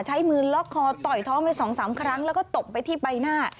ใช้มือล็อกคอต่อยท้องไป๒๓ครั้งแล้วก็ตบไปที่ใบหน้า